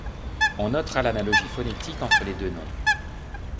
On notera l'analogie phonétique entre les deux noms.